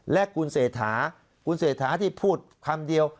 และคุณเศรษฐาคุณเศรษฐาที่พูดคำเดียว